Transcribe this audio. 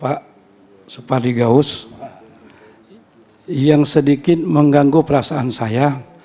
pak supadigaus yang sedikit mengganggu perasaan saya